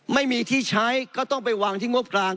ไม่มีที่ใช้ก็ต้องไปวางที่งบกลาง